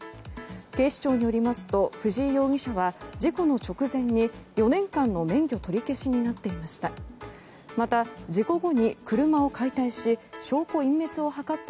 警視庁によりますと藤井容疑者は事故の直前に、４年間の免許取り消しになっていました。